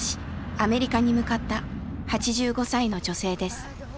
アメリカに向かった８５歳の女性です。